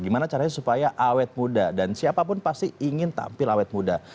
gimana caranya supaya awet muda dan siapapun pasti ingin tampil awet muda